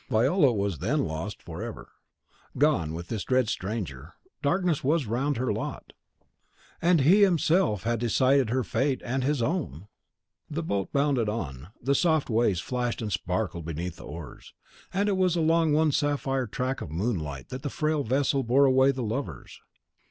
Viola was then lost forever, gone with this dread stranger; darkness was round her lot! And he himself had decided her fate and his own! The boat bounded on, the soft waves flashed and sparkled beneath the oars, and it was along one sapphire track of moonlight that the frail vessel bore away the lovers.